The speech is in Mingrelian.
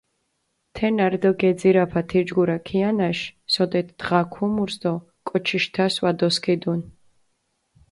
თენა რდჷ გეძირაფა თიჯგურა ქიანაშ, სოდეთ დღა ქუმურს დო კოჩიშ თასი ვადოსქიდუნ.